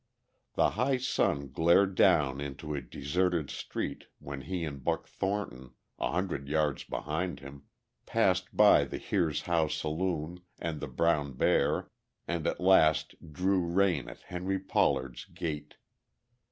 The high sun glared down into a deserted street when he and Buck Thornton, a hundred yards behind him, passed by the Here's How saloon and the Brown Bear and at last drew rein at Henry Pollard's gate.